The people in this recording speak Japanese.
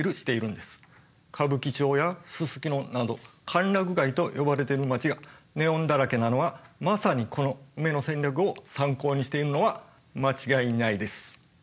歌舞伎町やすすきのなど歓楽街と呼ばれてる街がネオンだらけなのはまさにこのウメの戦略を参考にしているのは間違いないです。